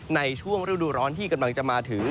ในช่วงฤดูร้อนที่กำลังจะมาถึง